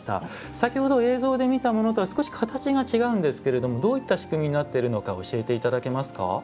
先ほど映像で見たものとは少し形が違うんですけれどもどういった仕組みになっているのか教えて頂けますか？